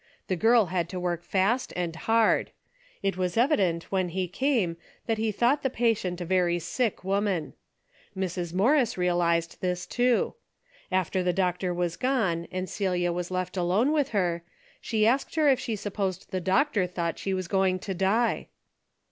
The girl had to work fast and hard. It was evident when he came that he thought the patient a very sick woman. Mrs. Morris re alized this, too. After the doctor was gone and Celia was left alone with her, she asked her if she supposed the doctor thought she was going to die.